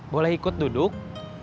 boleh ikut duduk